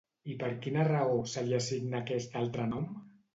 I per quina raó se li assigna aquest altre nom?